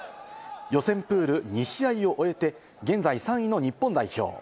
予選プール２試合を終えて、現在３位の日本代表。